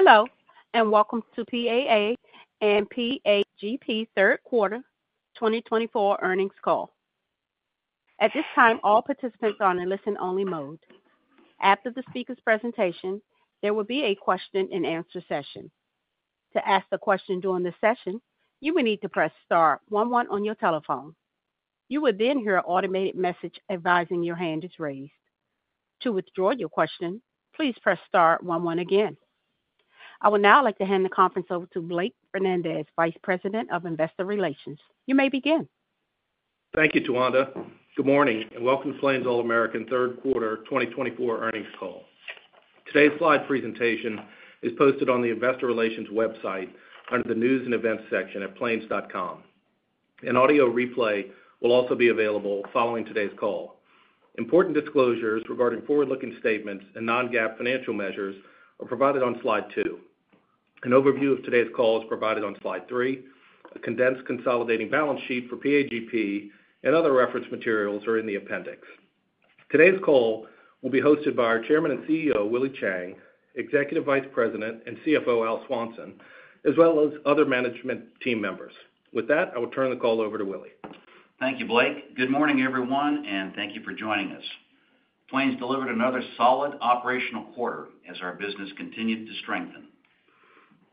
Hello, and welcome to PAA and PAGP Q3 2024 earnings call. At this time, all participants are on a listen-only mode. After the speaker's presentation, there will be a question-and-answer session. To ask a question during this session, you will need to press star one one on your telephone. You will then hear an automated message advising your hand is raised. To withdraw your question, please press star one one again. I would now like to hand the conference over to Blake Fernandez, Vice President of investor relations. You may begin. Thank you, Tawanda. Good morning, and welcome to Plains All American Q3 2024 earnings call. Today's slide presentation is posted on the investor relations website under the News and Events section at plains.com. An audio replay will also be available following today's call. Important disclosures regarding forward-looking statements and non-GAAP financial measures are provided on slide two. An overview of today's call is provided on slide three. A condensed consolidating balance sheet for PAGP and other reference materials are in the appendix. Today's call will be hosted by our Chairman and CEO, Willie Chiang, Executive Vice President and CFO, Al Swanson, as well as other management team members. With that, I will turn the call over to Willie. Thank you, Blake. Good morning, everyone, and thank you for joining us. Plains delivered another solid operational quarter as our business continued to strengthen.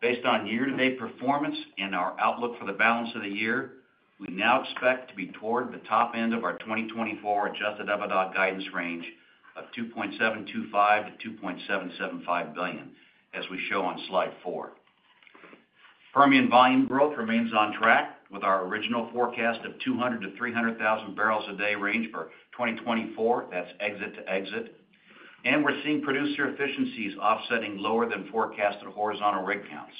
Based on year-to-date performance and our outlook for the balance of the year, we now expect to be toward the top end of our 2024 Adjusted EBITDA guidance range of $2.725 to $2.775 billion, as we show on slide four. Permian volume growth remains on track with our original forecast of 200,000 to 300,000 barrels a day range for 2024. That's exit to exit. And we're seeing producer efficiencies offsetting lower-than-forecasted horizontal rig counts.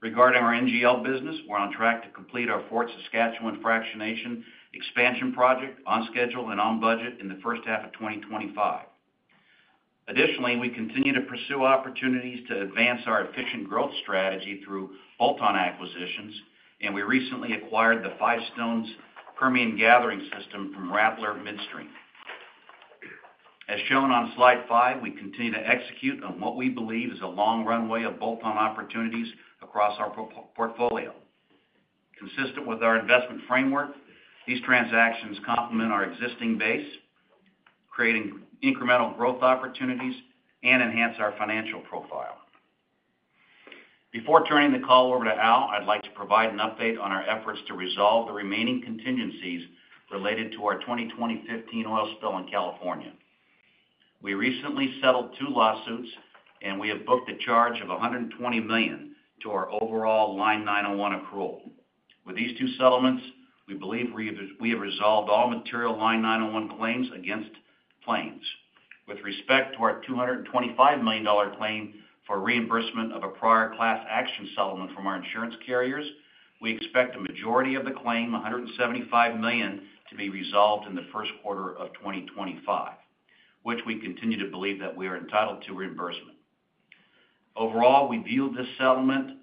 Regarding our NGL business, we're on track to complete our Fort Saskatchewan Fractionation expansion project on schedule and on budget in the first half of 2025. Additionally, we continue to pursue opportunities to advance our efficient growth strategy through bolt-on acquisitions, and we recently acquired the Five Stones Permian Gathering System from Rattler Midstream. As shown on slide five, we continue to execute on what we believe is a long runway of bolt-on opportunities across our portfolio. Consistent with our investment framework, these transactions complement our existing base, creating incremental growth opportunities and enhance our financial profile. Before turning the call over to Al, I'd like to provide an update on our efforts to resolve the remaining contingencies related to our 2015 oil spill in California. We recently settled two lawsuits, and we have booked a charge of $120 million to our overall Line 901 accrual. With these two settlements, we believe we have resolved all material Line 901 claims against Plains. With respect to our $225 million claim for reimbursement of a prior class action settlement from our insurance carriers, we expect a majority of the claim, $175 million, to be resolved in the first quarter of 2025, which we continue to believe that we are entitled to reimbursement. Overall, we view this settlement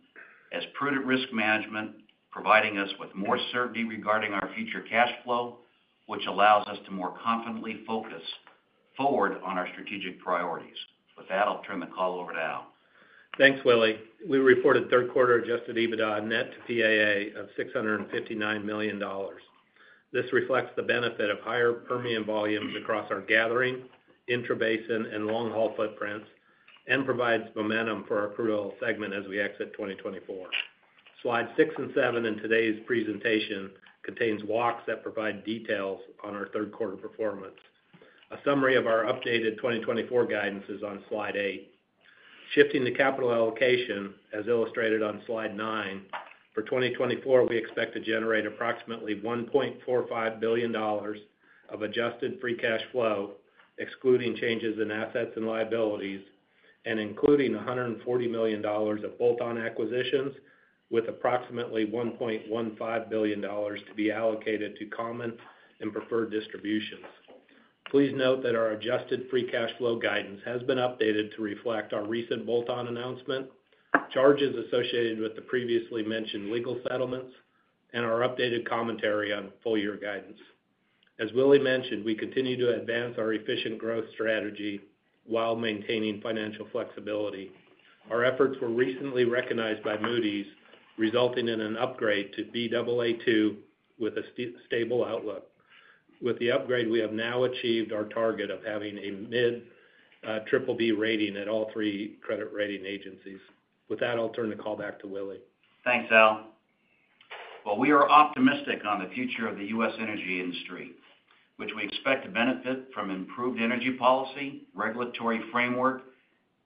as prudent risk management, providing us with more certainty regarding our future cash flow, which allows us to more confidently focus forward on our strategic priorities. With that, I'll turn the call over to Al. Thanks, Willie. We reported Q3 Adjusted EBITDA net to PAA of $659 million. This reflects the benefit of higher Permian volumes across our gathering, intrabasin, and long-haul footprints, and provides momentum for our crude oil segment as we exit 2024. Slides six and seven in today's presentation contain walks that provide details on our Q3 performance. A summary of our updated 2024 guidance is on slide eight. Shifting to capital allocation, as illustrated on slide nine, for 2024, we expect to generate approximately $1.45 billion of adjusted free cash flow, excluding changes in assets and liabilities, and including $140 million of bolt-on acquisitions, with approximately $1.15 billion to be allocated to common and preferred distributions. Please note that our adjusted free cash flow guidance has been updated to reflect our recent bolt-on announcement, charges associated with the previously mentioned legal settlements, and our updated commentary on full-year guidance. As Willie mentioned, we continue to advance our efficient growth strategy while maintaining financial flexibility. Our efforts were recently recognized by Moody's, resulting in an upgrade to Baa2 with a stable outlook. With the upgrade, we have now achieved our target of having a mid-BBB rating at all three credit rating agencies. With that, I'll turn the call back to Willie. Thanks, Al. Well, we are optimistic on the future of the U.S. energy industry, which we expect to benefit from improved energy policy, regulatory framework,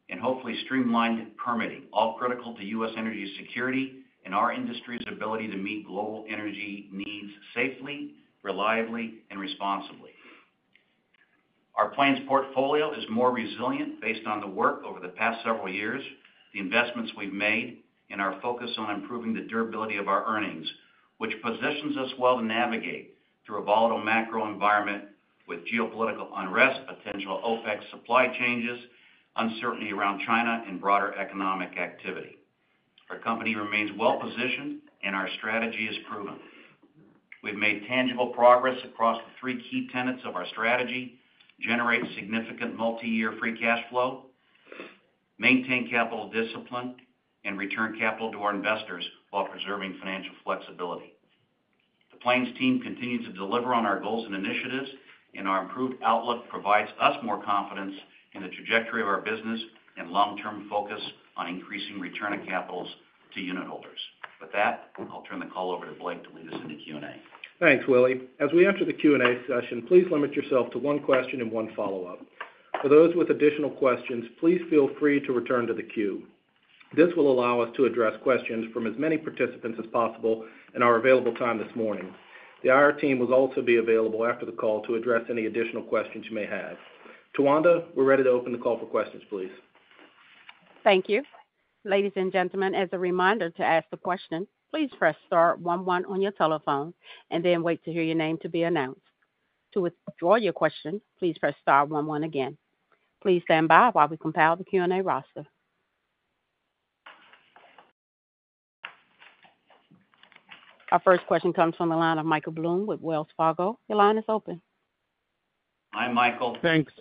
and hopefully streamlined permitting, all critical to U.S. energy security and our industry's ability to meet global energy needs safely, reliably, and responsibly. Our Plains portfolio is more resilient based on the work over the past several years, the investments we've made, and our focus on improving the durability of our earnings, which positions us well to navigate through a volatile macro environment with geopolitical unrest, potential OPEC supply changes, uncertainty around China, and broader economic activity. Our company remains well-positioned, and our strategy is proven. We've made tangible progress across the three key tenets of our strategy: generate significant multi-year free cash flow, maintain capital discipline, and return capital to our investors while preserving financial flexibility. The Plains team continues to deliver on our goals and initiatives, and our improved outlook provides us more confidence in the trajectory of our business and long-term focus on increasing return of capitals to unit holders. With that, I'll turn the call over to Blake to lead us into Q&A. Thanks, Willie. As we enter the Q&A session, please limit yourself to one question and one follow-up. For those with additional questions, please feel free to return to the queue. This will allow us to address questions from as many participants as possible in our available time this morning. The IR team will also be available after the call to address any additional questions you may have. Tawanda, we're ready to open the call for questions, please. Thank you. Ladies and gentlemen, as a reminder to ask a question, please press star one one on your telephone and then wait to hear your name to be announced. To withdraw your question, please press star one one again. Please stand by while we compile the Q&A roster. Our first question comes fromMichael Blum with Wells Fargo. Michael is open. Hi, Michael. Thanks.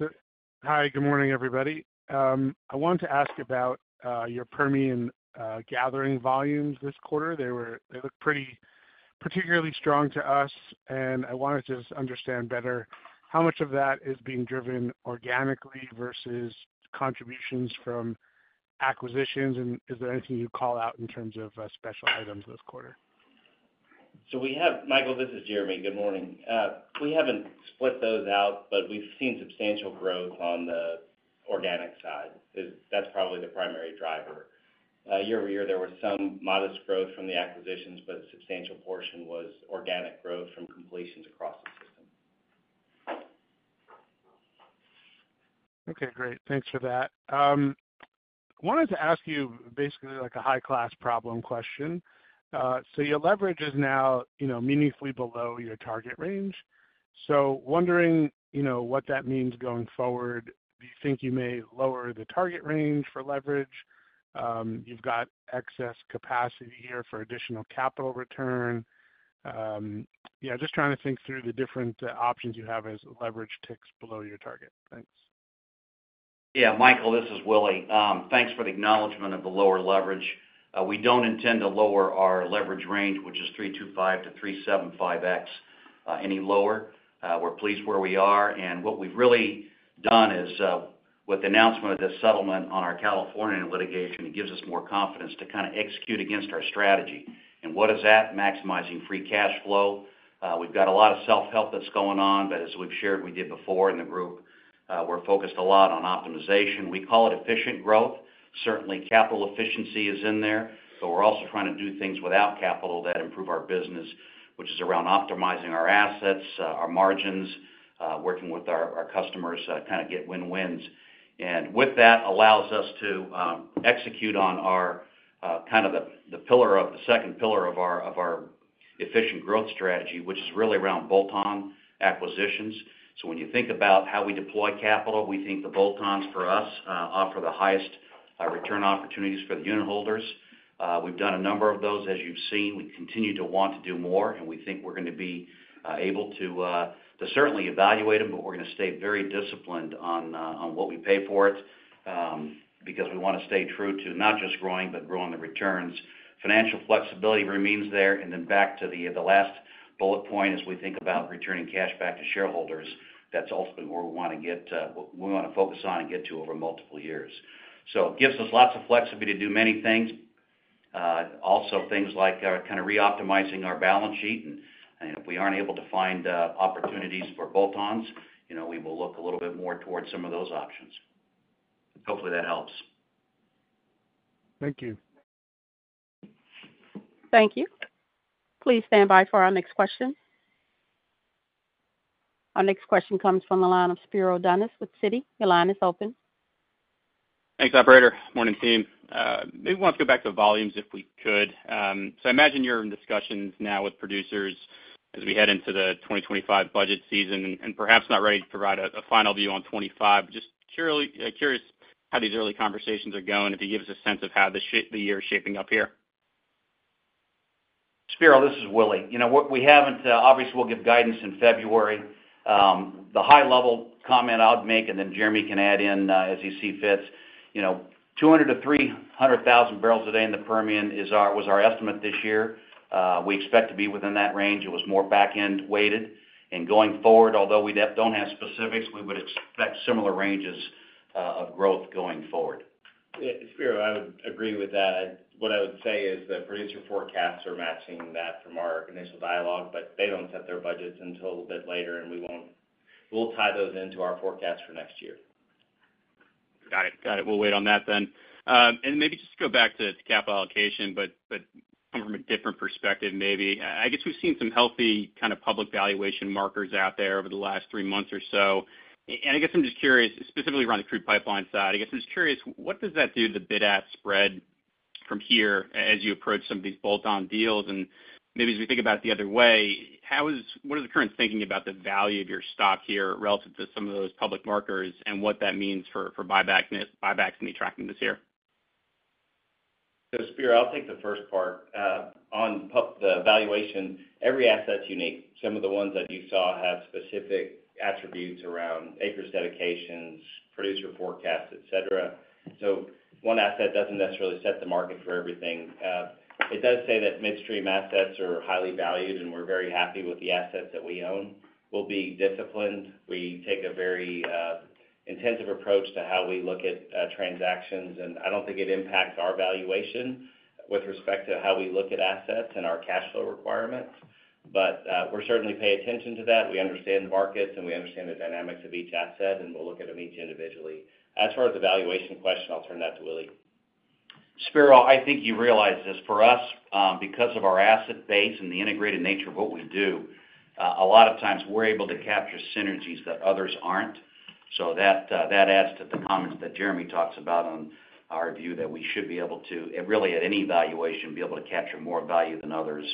Hi, good morning, everybody. I wanted to ask about your Permian gathering volumes this quarter. They looked pretty particularly strong to us, and I wanted to just understand better how much of that is being driven organically versus contributions from acquisitions, and is there anything you'd call out in terms of special items this quarter? So we have Michael, this is Jeremy. Good morning. We haven't split those out, but we've seen substantial growth on the organic side. That's probably the primary driver. Year over year, there was some modest growth from the acquisitions, but a substantial portion was organic growth from completions across the system. Okay, great. Thanks for that. I wanted to ask you basically like a high-class problem question. So your leverage is now meaningfully below your target range. So wondering what that means going forward. Do you think you may lower the target range for leverage? You've got excess capacity here for additional capital return. Yeah, just trying to think through the different options you have as leverage ticks below your target. Thanks. Yeah, Michael, this is Willie. Thanks for the acknowledgment of the lower leverage. We don't intend to lower our leverage range, which is 325x to 375x, any lower. We're pleased where we are. And what we've really done is, with the announcement of this settlement on our California litigation, it gives us more confidence to kind of execute against our strategy. And what is that? Maximizing free cash flow. We've got a lot of self-help that's going on, but as we've shared, we did before in the group, we're focused a lot on optimization. We call it efficient growth. Certainly, capital efficiency is in there, but we're also trying to do things without capital that improve our business, which is around optimizing our assets, our margins, working with our customers to kind of get win-wins. And with that, it allows us to execute on our kind of the pillar of the second pillar of our efficient growth strategy, which is really around bolt-on acquisitions. So when you think about how we deploy capital, we think the bolt-ons for us offer the highest return opportunities for the unit holders. We've done a number of those, as you've seen. We continue to want to do more, and we think we're going to be able to certainly evaluate them, but we're going to stay very disciplined on what we pay for it because we want to stay true to not just growing, but growing the returns. Financial flexibility remains there. And then back to the last bullet point, as we think about returning cash back to shareholders, that's ultimately where we want to get to, what we want to focus on and get to over multiple years. So it gives us lots of flexibility to do many things. Also, things like kind of re-optimizing our balance sheet. And if we aren't able to find opportunities for bolt-ons, we will look a little bit more towards some of those options. Hopefully, that helps. Thank you. Thank you. Please stand by for our next question. Our next question comes from Spiro Dounis with Citi. Spiro is open. Thanks, Operator. Morning, team. Maybe we want to go back to volumes if we could. So I imagine you're in discussions now with producers as we head into the 2025 budget season and perhaps not ready to provide a final view on 2025. Just curious how these early conversations are going, if you give us a sense of how the year is shaping up here. Spiro, this is Willie. Obviously, we'll give guidance in February. The high-level comment I'll make, and then Jeremy can add in as he sees fit. 200,000 to 300,000 barrels a day in the Permian was our estimate this year. We expect to be within that range. It was more back-end weighted, and going forward, although we don't have specifics, we would expect similar ranges of growth going forward. Yeah, Spiro, I would agree with that. What I would say is the producer forecasts are matching that from our initial dialogue, but they don't set their budgets until a bit later, and we'll tie those into our forecast for next year. Got it. Got it. We'll wait on that then. And maybe just to go back to capital allocation, but from a different perspective, maybe. I guess we've seen some healthy kind of public valuation markers out there over the last three months or so. And I guess I'm just curious, specifically around the crude pipeline side. I guess I'm just curious, what does that do to the bid-ask spread from here as you approach some of these bolt-on deals? And maybe as we think about it the other way, what is the current thinking about the value of your stock here relative to some of those public markers and what that means for buybacks and the tracking this year? So Spiro, I'll take the first part. On the valuation, every assets unique. Some of the ones that you saw have specific attributes around acreage dedications, producer forecasts, etc. So one asset doesn't necessarily set the market for everything. It does say that midstream assets are highly valued, and we're very happy with the assets that we own. We'll be disciplined. We take a very intensive approach to how we look at transactions. And I don't think it impacts our valuation with respect to how we look at assets and our cash flow requirements. But we're certainly paying attention to that. We understand the markets, and we understand the dynamics of each asset, and we'll look at them each individually. As far as the valuation question, I'll turn that to Willie. Spiro, I think you realize this for us, because of our asset base and the integrated nature of what we do, a lot of times we're able to capture synergies that others aren't. So that adds to the comments that Jeremy talks about on our view that we should be able to, really at any valuation, be able to capture more value than others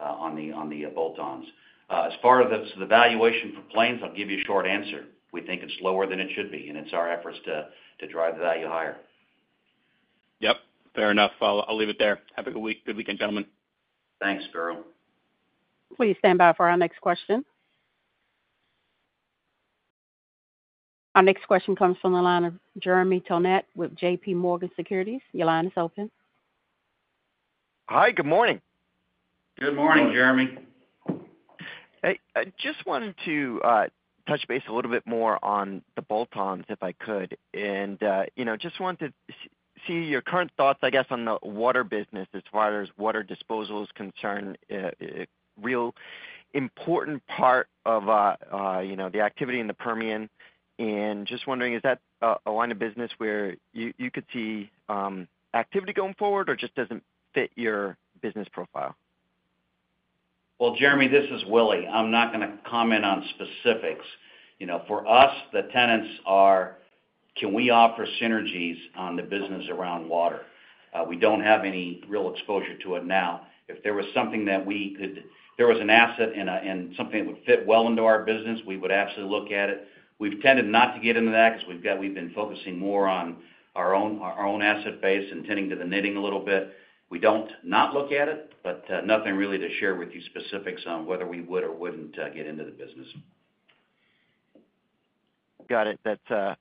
on the bolt-ons. As far as the valuation for Plains, I'll give you a short answer. We think it's lower than it should be, and it's our efforts to drive the value higher. Yep. Fair enough. I'll leave it there. Have a good week. Good weekend, gentlemen. Thanks, Spiro. Please stand by for our next question. Our next question comes from Jeremy Tonet with JPMorgan. Your line is open. Hi, good morning. Good morning, Jeremy. Hey, I just wanted to touch base a little bit more on the bolt-ons if I could, and just wanted to see your current thoughts, I guess, on the water business as far as water disposal is concerned, a real important part of the activity in the Permian, and just wondering, is that a line of business where you could see activity going forward or just doesn't fit your business profile? Jeremy, this is Willie. I'm not going to comment on specifics. For us, the tenets are, can we offer synergies on the business around water? We don't have any real exposure to it now. If there was something that we could, if there was an asset and something that would fit well into our business, we would absolutely look at it. We've tended not to get into that because we've been focusing more on our own asset base and tending to the knitting a little bit. We don't not look at it, but nothing really to share with you specifics on whether we would or wouldn't get into the business. Got it. That's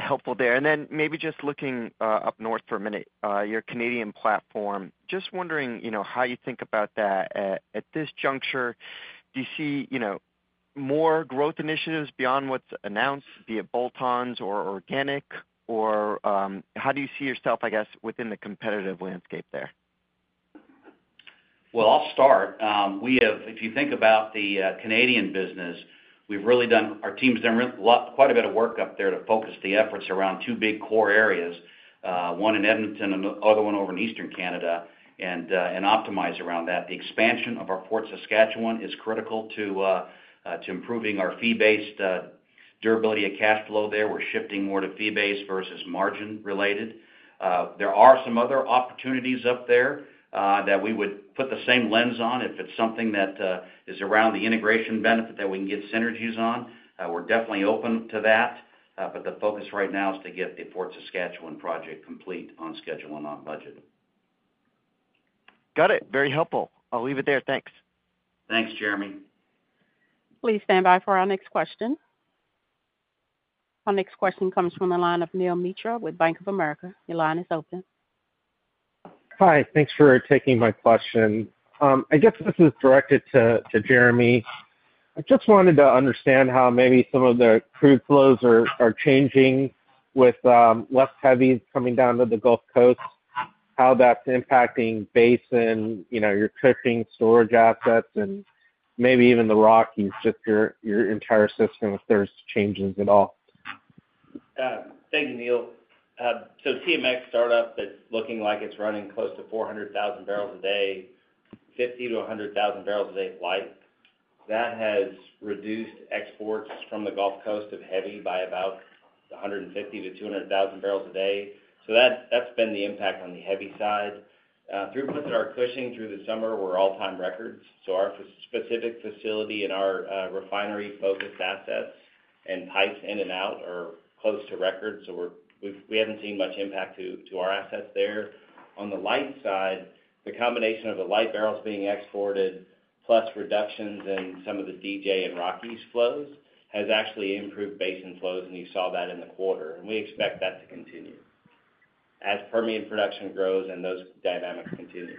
helpful there. And then maybe just looking up north for a minute, your Canadian platform, just wondering how you think about that at this juncture. Do you see more growth initiatives beyond what's announced, be it bolt-ons or organic, or how do you see yourself, I guess, within the competitive landscape there? I'll start. If you think about the Canadian business, we've really, our team has done quite a bit of work up there to focus the efforts around two big core areas, one in Edmonton and the other one over in Eastern Canada, and optimize around that. The expansion of our Fort Saskatchewan is critical to improving our fee-based durability of cash flow there. We're shifting more to fee-based versus margin-related. There are some other opportunities up there that we would put the same lens on. If it's something that is around the integration benefit that we can get synergies on, we're definitely open to that. But the focus right now is to get the Fort Saskatchewan project complete on schedule and on budget. Got it. Very helpful. I'll leave it there. Thanks. Thanks, Jeremy. Please stand by for our next question. Our next question comes from Neel Mitra with Bank of America. Neel is open. Hi. Thanks for taking my question. I guess this is directed to Jeremy. I just wanted to understand how maybe some of the crude flows are changing with less heavy coming down to the Gulf Coast, how that's impacting basin and your shipping storage assets and maybe even the Rockies, just your entire system if there's changes at all. Thank you, Neel. So TMX start-up, it's looking like it's running close to barrels a day, 50,000 to 100,000 barrels a day of light. That has reduced exports from the Gulf Coast of heavy by about 150,000 to 200,000 barrels a day. So that's been the impact on the heavy side. Throughputs that are pushing through the summer were all-time records. So our specific facility and our refinery-focused assets and pipes in and out are close to record. So we haven't seen much impact to our assets there. On the light side, the combination of the light barrels being exported plus reductions in some of the DJ and Rockies flows has actually improved basin flows, and you saw that in the quarter. And we expect that to continue as Permian production grows and those dynamics continue.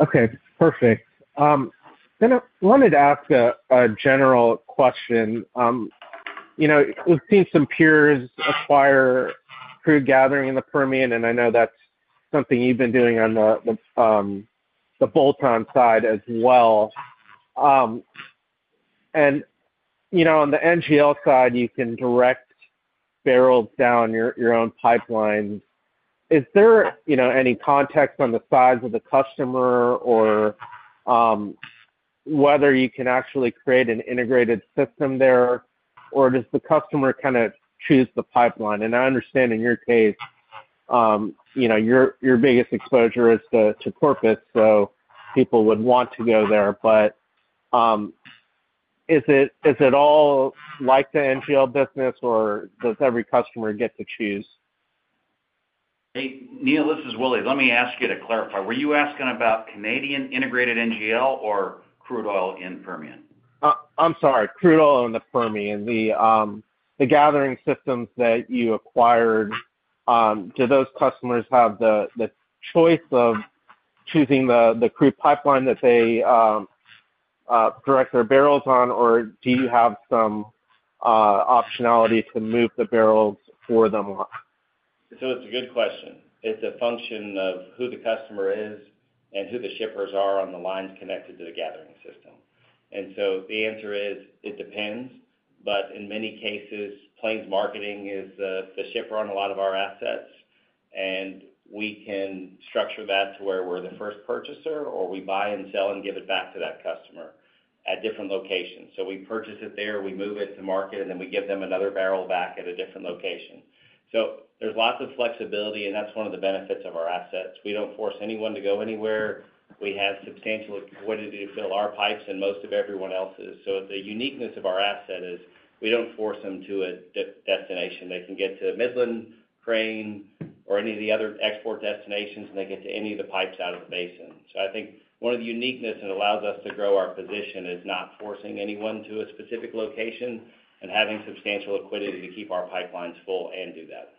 Okay. Perfect. Then I wanted to ask a general question. We've seen some peers acquire crude gathering in the Permian, and I know that's something you've been doing on the bolt-on side as well. And on the NGL side, you can direct barrels down your own pipelines. Is there any context on the size of the customer or whether you can actually create an integrated system there, or does the customer kind of choose the pipeline? And I understand in your case, your biggest exposure is to Corpus, so people would want to go there. But is it all like the NGL business, or does every customer get to choose? Neel, this is Willie. Let me ask you to clarify. Were you asking about Canadian integrated NGL or crude oil in Permian? I'm sorry. Crude oil in the Permian. The gathering systems that you acquired, do those customers have the choice of choosing the crude pipeline that they direct their barrels on, or do you have some optionality to move the barrels for them? So it's a good question. It's a function of who the customer is and who the shippers are on the lines connected to the gathering system. And so the answer is it depends. But in many cases, Plains Marketing is the shipper on a lot of our assets, and we can structure that to where we're the first purchaser, or we buy and sell and give it back to that customer at different locations. So we purchase it there, we move it to market, and then we give them another barrel back at a different location. So there's lots of flexibility, and that's one of the benefits of our assets. We don't force anyone to go anywhere. We have substantial liquidity to fill our pipes and most of everyone else's. So the uniqueness of our asset is we don't force them to a destination. They can get to Midland, Crane or any of the other export destinations, and they get to any of the pipes out of the basin. So I think one of the uniqueness that allows us to grow our position is not forcing anyone to a specific location and having substantial liquidity to keep our pipelines full and do that.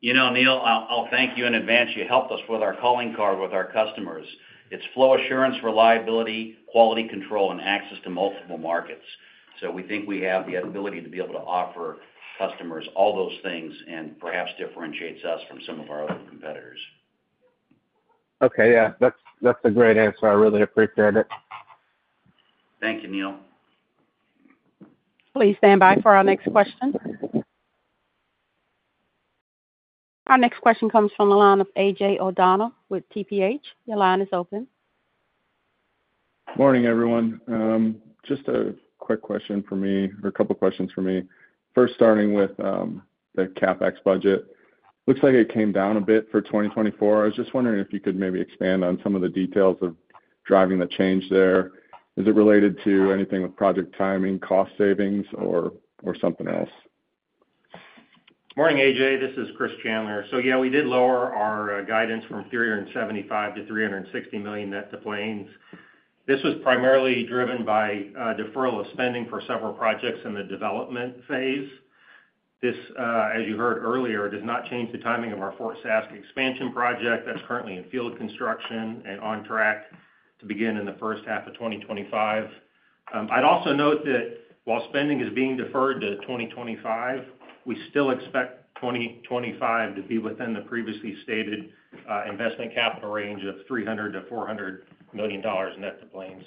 You know, Neel, I'll thank you in advance. You helped us with our calling card with our customers. It's flow assurance, reliability, quality control, and access to multiple markets. So we think we have the ability to be able to offer customers all those things and perhaps differentiate us from some of our other competitors. Okay. Yeah. That's a great answer. I really appreciate it. Thank you, Neel. Please stand by for our next question. Our next question comes from analyst AJ O'Donnell with TPH. AJ is open. Morning, everyone. Just a quick question for me, or a couple of questions for me. First, starting with the CapEx budget. Looks like it came down a bit for 2024. I was just wondering if you could maybe expand on some of the details of driving the change there. Is it related to anything with project timing, cost savings, or something else? Morning, AJ. This is Chris Chandler. Yeah, we did lower our guidance from $375 million to $360 million net to Plains. This was primarily driven by deferral of spending for several projects in the development phase. This, as you heard earlier, does not change the timing of our Fort Saskatchewan expansion project that's currently in field construction and on track to begin in the first half of 2025. I'd also note that while spending is being deferred to 2025, we still expect 2025 to be within the previously stated investment capital range of $300 million to $400 million net to Plains.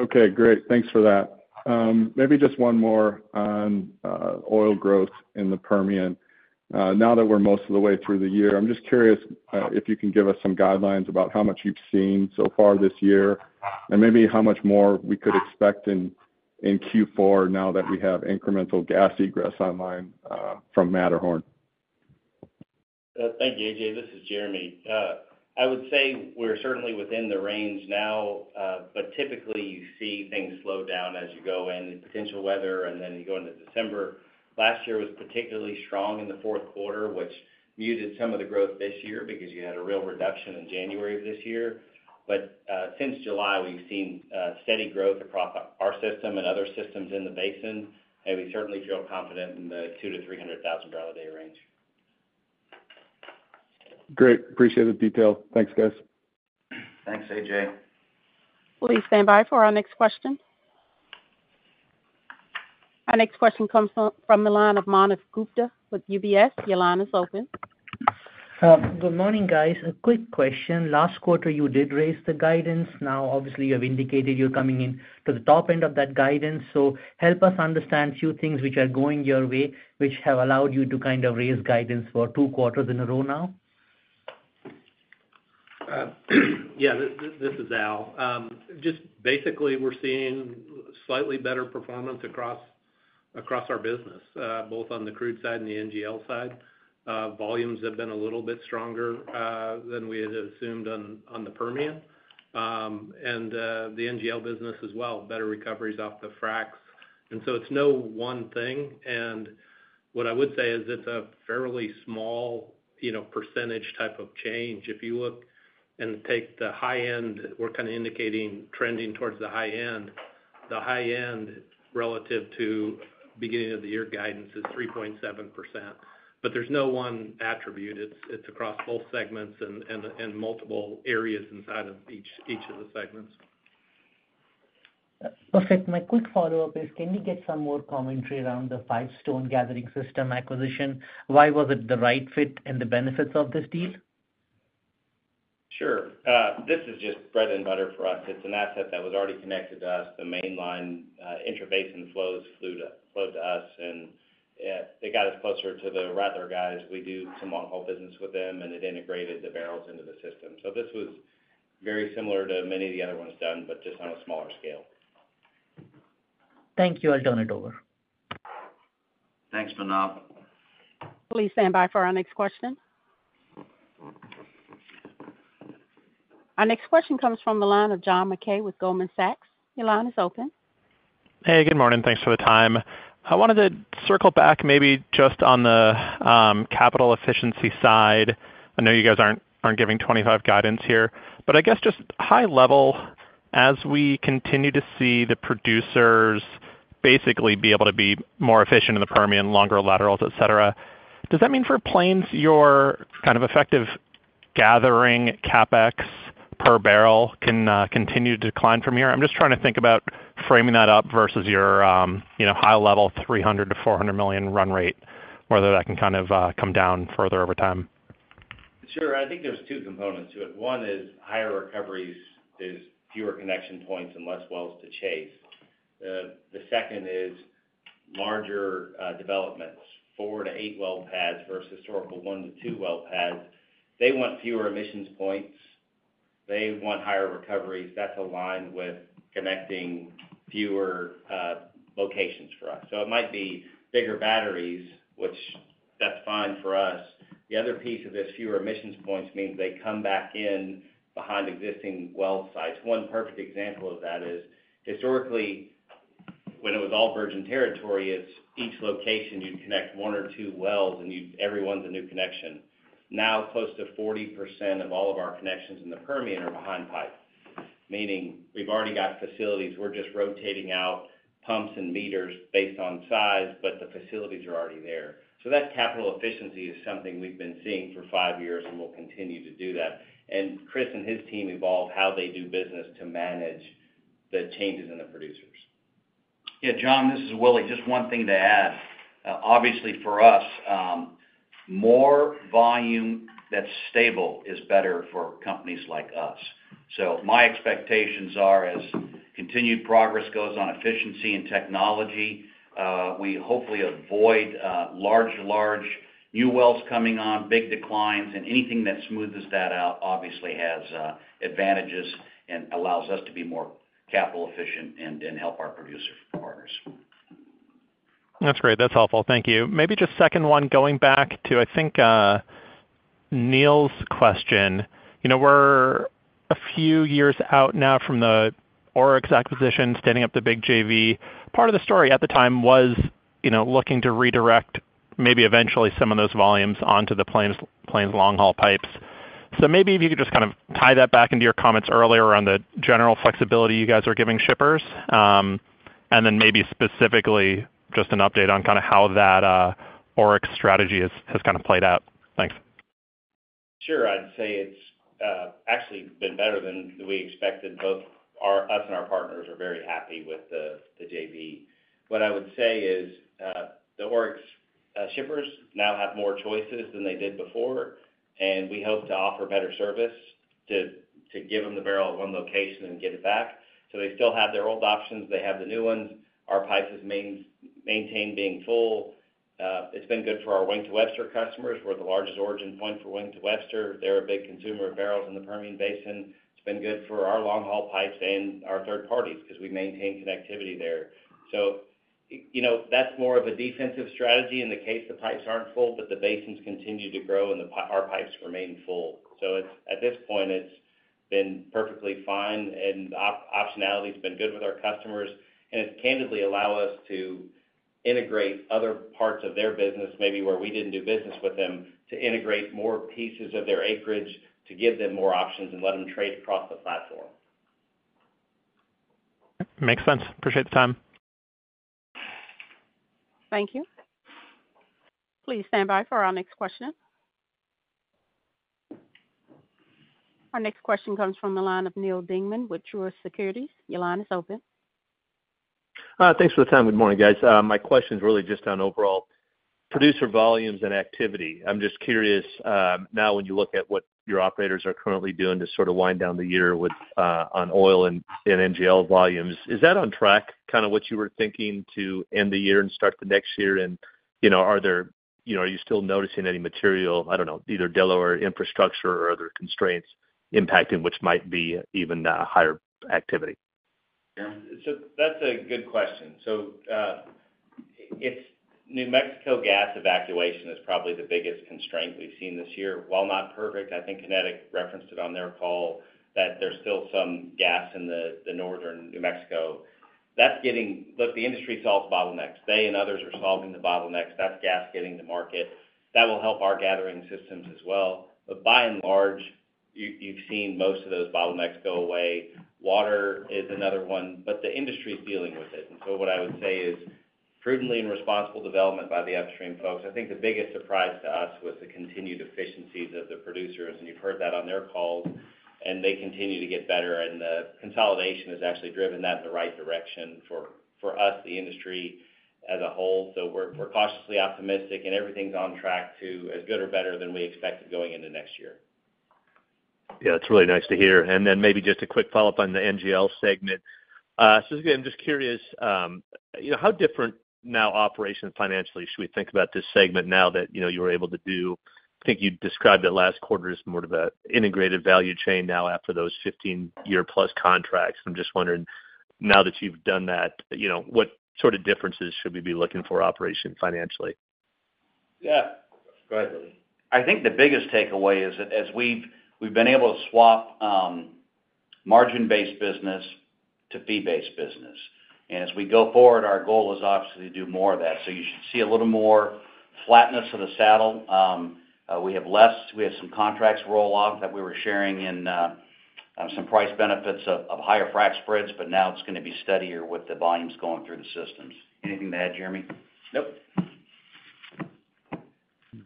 Okay. Great. Thanks for that. Maybe just one more on oil growth in the Permian. Now that we're most of the way through the year, I'm just curious if you can give us some guidelines about how much you've seen so far this year and maybe how much more we could expect in Q4 now that we have incremental gas egress online from Matterhorn. Thank you, AJ. This is Jeremy. I would say we're certainly within the range now, but typically you see things slow down as you go in potential weather, and then you go into December. Last year was particularly strong in the fourth quarter, which muted some of the growth this year because you had a real reduction in January of this year. But since July, we've seen steady growth across our system and other systems in the basin, and we certainly feel confident in the 200,000 to 300,000 barrel a day range. Great. Appreciate the detail. Thanks, guys. Thanks, AJ. Please stand by for our next question. Our next question comes from Manav Gupta with UBS. Your line is open. Good morning, guys. A quick question. Last quarter, you did raise the guidance. Now, obviously, you have indicated you're coming into the top end of that guidance. So help us understand a few things which are going your way, which have allowed you to kind of raise guidance for two quarters in a row now. Yeah. This is Al. Just basically, we're seeing slightly better performance across our business, both on the crude side and the NGL side. Volumes have been a little bit stronger than we had assumed on the Permian. And the NGL business as well, better recoveries off the fracs. And so it's no one thing. And what I would say is it's a fairly small percentage type of change. If you look and take the high-end, we're kind of indicating trending towards the high-end. The high-end relative to beginning of the year guidance is 3.7%. But there's no one attribute. It's across both segments and multiple areas inside of each of the segments. Perfect. My quick follow-up is, can we get some more commentary around the Five Stones Permian Gathering System acquisition? Why was it the right fit and the benefits of this deal? Sure. This is just bread and butter for us. It's an asset that was already connected to us. The mainline interface and flows flowed to us, and it got us closer to the Rattler guys. We do some long-haul business with them, and it integrated the barrels into the system, so this was very similar to many of the other ones done, but just on a smaller scale. Thank you. I'll turn it over. Thanks, Manav. Please stand by for our next question. Our next question comes from John Mackay with Goldman Sachs. John is open. Hey, good morning. Thanks for the time. I wanted to circle back maybe just on the capital efficiency side. I know you guys aren't giving 25 guidance here, but I guess just high level, as we continue to see the producers basically be able to be more efficient in the Permian, longer laterals, etc., does that mean for Plains your kind of effective gathering CapEx per barrel can continue to decline from here? I'm just trying to think about framing that up versus your high-level $300 to 400 million run rate, whether that can kind of come down further over time. Sure. I think there's two components to it. One is higher recoveries. There's fewer connection points and less wells to chase. The second is larger developments, four to eight well pads versus historical one to two well pads. They want fewer emissions points. They want higher recoveries. That's aligned with connecting fewer locations for us. So it might be bigger batteries, which that's fine for us. The other piece of this fewer emissions points means they come back in behind existing well sites. One perfect example of that is historically, when it was all virgin territory, each location you'd connect one or two wells, and everyone's a new connection. Now, close to 40% of all of our connections in the Permian are behind pipes, meaning we've already got facilities. We're just rotating out pumps and meters based on size, but the facilities are already there. So that capital efficiency is something we've been seeing for five years and will continue to do that. And Chris and his team evolve how they do business to manage the changes in the producers. Yeah. John, this is Willie. Just one thing to add. Obviously, for us, more volume that's stable is better for companies like us. So my expectations are, as continued progress goes on efficiency and technology, we hopefully avoid large, large new wells coming on, big declines, and anything that smoothes that out obviously has advantages and allows us to be more capital efficient and help our producer partners. That's great. That's helpful. Thank you. Maybe just second one, going back to, I think, Neel's question. We're a few years out now from the Oryx acquisition, standing up the big JV. Part of the story at the time was looking to redirect maybe eventually some of those volumes onto the Plains long-haul pipes. So maybe if you could just kind of tie that back into your comments earlier around the general flexibility you guys are giving shippers, and then maybe specifically just an update on kind of how that Oryx strategy has kind of played out. Thanks. Sure. I'd say it's actually been better than we expected. Both us and our partners are very happy with the JV. What I would say is the Oryx shippers now have more choices than they did before, and we hope to offer better service to give them the barrel at one location and get it back. So they still have their old options. They have the new ones. Our pipes are maintained being full. It's been good for our Wink to Webster customers. We're the largest origin point for Wink to Webster. They're a big consumer of barrels in the Permian Basin. It's been good for our long-haul pipes and our third parties because we maintain connectivity there. So that's more of a defensive strategy in the case the pipes aren't full, but the basins continue to grow and our pipes remain full. So at this point, it's been perfectly fine, and optionality has been good with our customers. And it's candidly allowed us to integrate other parts of their business, maybe where we didn't do business with them, to integrate more pieces of their acreage to give them more options and let them trade across the platform. Makes sense. Appreciate the time. Thank you. Please stand by for our next question. Our next question comes from the line of Neal Dingmann with Truist Securities. The line is open. Thanks for the time. Good morning, guys. My question is really just on overall producer volumes and activity. I'm just curious now when you look at what your operators are currently doing to sort of wind down the year on oil and NGL volumes, is that on track, kind of what you were thinking to end the year and start the next year, and are you still noticing any material, I don't know, either delivery infrastructure or other constraints impacting which might be even higher activity? So that's a good question. So New Mexico gas evacuation is probably the biggest constraint we've seen this year. While not perfect, I think Kinetik referenced it on their call, that there's still some gas in the northern New Mexico. That's getting the industry to solve bottlenecks. They and others are solving the bottlenecks. That's gas getting to market. That will help our gathering systems as well. But by and large, you've seen most of those bottlenecks go away. Water is another one, but the industry is dealing with it, and so what I would say is prudent and responsible development by the upstream folks. I think the biggest surprise to us was the continued efficiencies of the producers, and you've heard that on their calls, and they continue to get better, and the consolidation has actually driven that in the right direction for us, the industry as a whole. So we're cautiously optimistic, and everything's on track to as good or better than we expected going into next year. Yeah. It's really nice to hear. And then maybe just a quick follow-up on the NGL segment. Specifically, I'm just curious, how different now operations financially should we think about this segment now that you were able to do? I think you described it last quarter as more of an integrated value chain now after those 15-year-plus contracts. I'm just wondering, now that you've done that, what sort of differences should we be looking for operation financially? Yeah. Go ahead, Willie. I think the biggest takeaway is that we've been able to swap margin-based business to fee-based business. And as we go forward, our goal is obviously to do more of that. So you should see a little more flatness of the saddle. We have some contracts roll off that we were sharing and some price benefits of higher frac spreads, but now it's going to be steadier with the volumes going through the systems. Anything to add, Jeremy? Nope.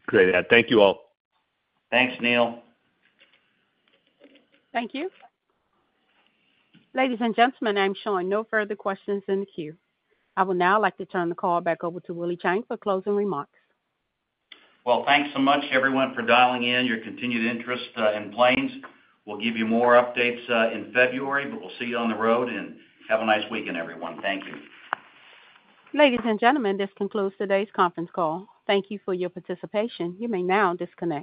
Great. Thank you all. Thanks, Neil. Thank you. Ladies and gentlemen, I'm showing no further questions in the queue. I would now like to turn the call back over to Willie Chiang for closing remarks. Thanks so much, everyone, for dialing in. Your continued interest in Plains. We'll give you more updates in February, but we'll see you on the road, and have a nice weekend, everyone. Thank you. Ladies and gentlemen, this concludes today's conference call. Thank you for your participation. You may now disconnect.